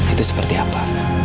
itu seperti apa